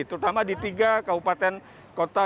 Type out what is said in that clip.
terutama di tiga kabupaten kota